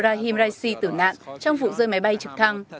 rahim raisi tử nạn trong vụ rơi máy bay trực thăng